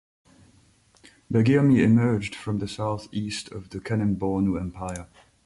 Baguirmi emerged to the southeast of the Kanem-Bornu Empire.